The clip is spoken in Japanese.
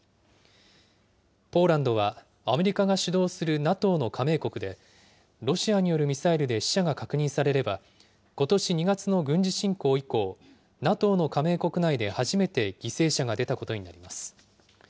ポーランドはアメリカが主導するＮＡＴＯの加盟国で、ロシアによるミサイルで死者が確認されれば、ことし２月の軍事侵攻以降、ＮＡＴＯの加盟国内で初めて犠牲者が出たことになります。